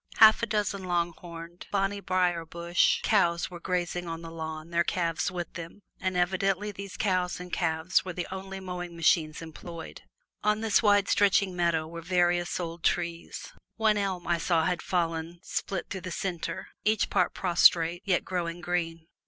Half a dozen long horned Bonnie Brier Bush cows were grazing on the lawn, their calves with them; and evidently these cows and calves were the only mowing machines employed. On this wide stretching meadow were various old trees; one elm I saw had fallen split through the center each part prostrate, yet growing green.